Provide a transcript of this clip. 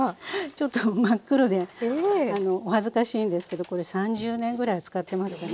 ちょっと真っ黒でお恥ずかしいんですけどこれ３０年ぐらいは使ってますかね。